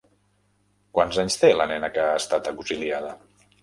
Quants anys té la nena que ha estat auxiliada?